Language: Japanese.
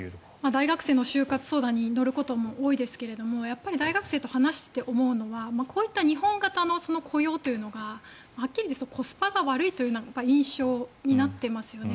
大学生の就活相談に乗ることも多いですがやっぱり大学生と話して思うのは日本型の雇用というのがコスパが悪い印象になっていますよね。